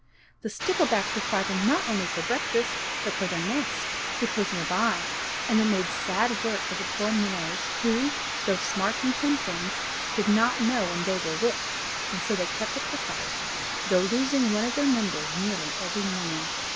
The sticklebacks were fighting not only for breakfast, but for their nests, which were near by; and they made sad work of the poor minnows, who, though smart in some things, did not know when they were whipped, and so kept up the fight, though losing one of their number nearly every morning.